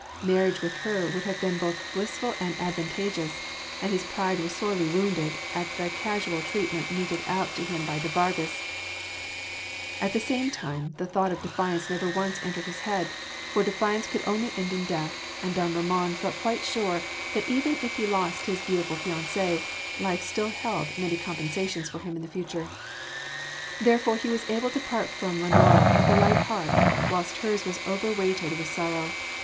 Marriage with her would have been both blissful and advantageous, and his pride was sorely wounded at the casual treatment meted out to him by de Vargas: at the same time the thought of defiance never once entered his head for defiance could only end in death, and don Ramon felt quite sure that even if he lost his beautiful fiancée, life still held many compensations for him in the future. Therefore he was able to part from Lenora with a light heart, whilst hers was overweighted with sorrow.